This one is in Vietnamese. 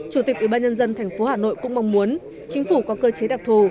chủ tịch ủy ban nhân dân tp hà nội cũng mong muốn chính phủ có cơ chế đặc thù